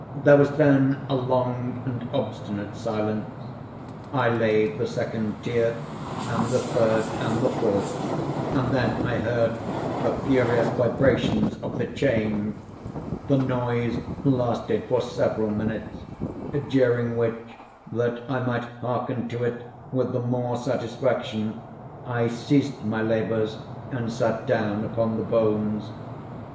There was then a long and obstinate silence. I laid the second tier, and the third, and the fourth; and then I heard the furious vibrations of the chain. The noise lasted for several minutes, during which, that I might hearken to it with the more satisfaction, I ceased my labors and sat down upon the bones.